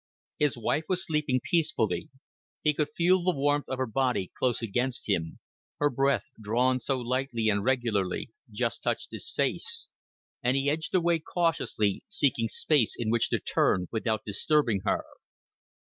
His wife was sleeping peacefully. He could feel the warmth of her body close against him; her breath, drawn so lightly and regularly, just touched his face; and he edged away cautiously, seeking space in which to turn without disturbing her.